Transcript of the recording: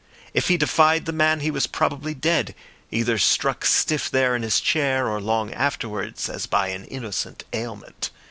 If he defied the man he was probably dead, either struck stiff there in his chair or long afterwards as by an innocent ailment.